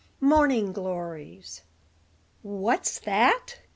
MORNING GLORIES. "What's that?"